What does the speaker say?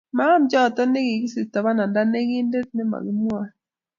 Maem choto, kikisikto bananda nekindet nemakimwoe